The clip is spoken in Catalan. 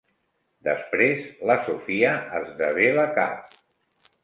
Desprès la Sophia esdevé la cap.